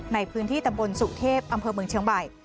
ในพื้นที่ตำบลสุเทพอำเภอเมืองเชียงใหม่